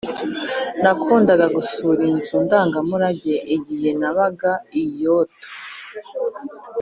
nakundaga gusura inzu ndangamurage igihe nabaga i kyoto.